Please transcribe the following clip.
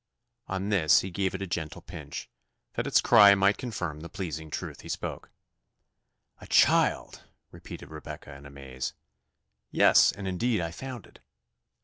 On this he gave it a gentle pinch, that its cry might confirm the pleasing truth he spoke. "A child!" repeated Rebecca in amaze. "Yes, and indeed I found it."